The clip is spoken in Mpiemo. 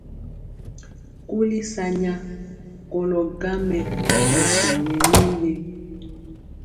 Kuli sa nya kolɔ gaŋ mɛ nɛ kɛn yɛ nii ge?